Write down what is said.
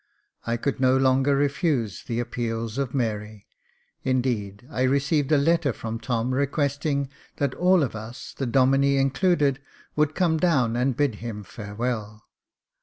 I could no longer refuse the appeals of Mary ; indeed, I received a letter from Tom, requesting that all of us, the Domine included, would come down and bid him farewell.